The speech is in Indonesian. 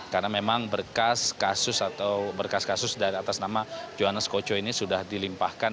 karena memang berkas kasus atau berkas kasus dari atas nama jonas koco ini sudah dilimpahkan